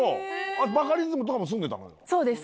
バカリズムとかも住んでたのよ。